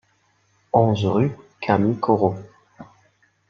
onze rue Camille Corot